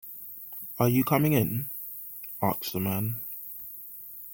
“Are you coming in?” asked the man.